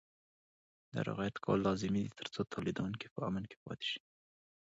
دا رعایت کول لازمي دي ترڅو تولیدوونکي په امن کې پاتې شي.